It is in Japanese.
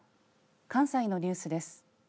関西のニュースです。